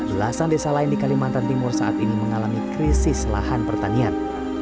belasan desa lain di kalimantan timur saat ini mengalami krisis lahan pertanian